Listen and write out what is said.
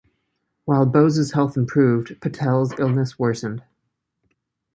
While Bose's health improved, Patel's illness worsened.